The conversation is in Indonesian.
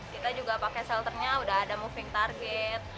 kita juga pakai shelternya udah ada moving target